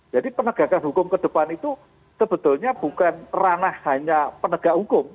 jadi penegakan hukum ke depan itu sebetulnya bukan ranah hanya penegak hukum